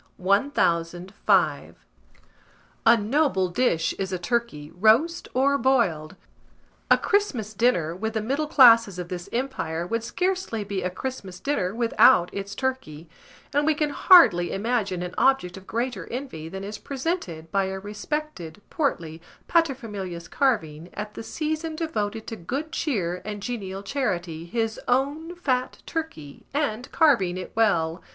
] 1005. A noble dish is a turkey, roast or boiled. A Christmas dinner, with the middle classes of this empire, would scarcely be a Christmas dinner without its turkey; and we can hardly imagine an object of greater envy than is presented by a respected portly pater familias carving, at the season devoted to good cheer and genial charity, his own fat turkey, and carving it well.